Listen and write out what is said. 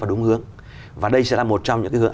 đúng hướng và đây sẽ là một trong những cái hướng